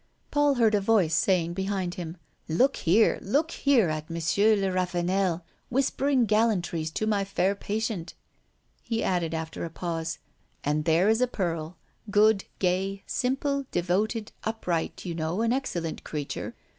Paul heard a voice saying behind him: "Look here! look here at M. de Ravenel whispering gallantries to my fair patient." He added, after a pause: "And there is a pearl, good, gay, simple, devoted, upright, you know, an excellent creature.